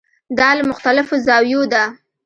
دا له مختلفو زاویو ده.